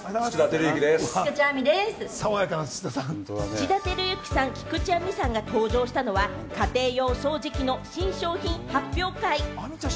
土田晃之さん、菊地亜美さんが登場したのは、家庭用掃除機の新商品発表会。